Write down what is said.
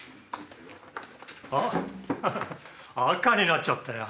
あっ赤になっちゃったよ。